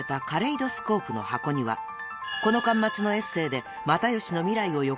［この巻末のエッセーで］